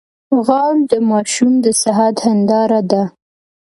غول د ماشوم د صحت هنداره ده.